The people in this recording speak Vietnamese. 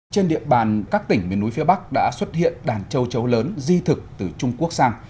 trên địa bàn các tỉnh miền núi phía bắc đã xuất hiện đàn châu chấu lớn di thực từ trung quốc sang